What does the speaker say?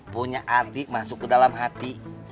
punya arti masuk ke dalam hati